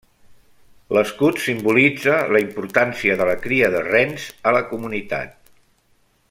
L'escut simbolitza la importància de la cria de rens a la comunitat.